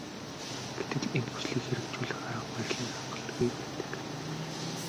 Гэтэл энэ хүслийг хэрэгжүүлэх арга барил нь хангалтгүй байдаг.